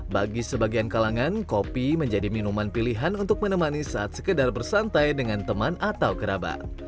bagi sebagian kalangan kopi menjadi minuman pilihan untuk menemani saat sekedar bersantai dengan teman atau kerabat